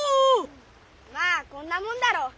まあこんなもんだろ。